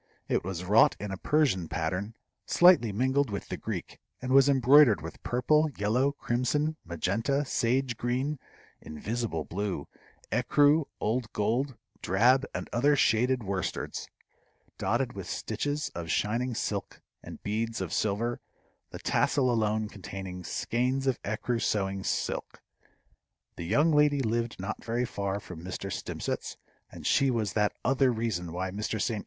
It was wrought in a Persian pattern slightly mingled with the Greek, and was embroidered with purple, yellow, crimson, Magenta, sage green, invisible blue, écru, old gold, drab, and other shaded worsteds, dotted with stitches of shining silk and beads of silver, the tassel alone containing skeins of écru sewing silk. The young lady lived not very far from Mr. Stimpcett's, and she was that other reason why Mr. St.